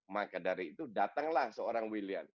maka dari itu datanglah seorang william